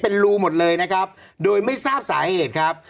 เป็นรูหมดเลยนะครับโดยไม่ทราบสาเหตุครับ